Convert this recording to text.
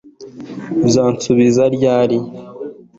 Uzansubiza ryari